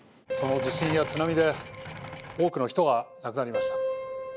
その地震や津波で多くの人が亡くなりました。